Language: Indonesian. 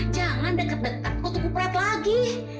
jangan deket deket ketukupret lagi